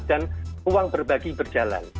dan ruang berbagi berjalan